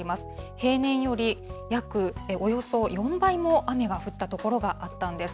平年よりおよそ４倍も雨が降った所があったんです。